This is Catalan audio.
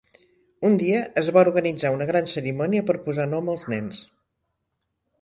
Un dia, es va organitzar una gran cerimònia per posar nom als nens.